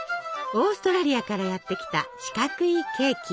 オーストラリアからやって来た四角いケーキ！